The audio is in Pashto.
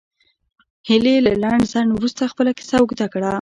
هیلې له لنډ ځنډ وروسته خپله کیسه اوږده کړه